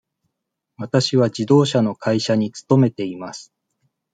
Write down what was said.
わたしは自動車の会社に勤めています。